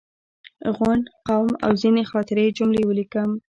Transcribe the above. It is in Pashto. غونډ، قوم او ځینې خاطرې یې جملې ولیکم.